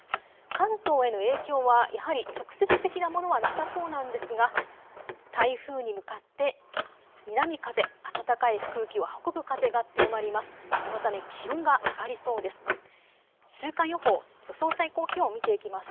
関東への影響はやはり直接的なものはなさそうなんですが台風に向かって南風、暖かい空気を運ぶ風が強まります。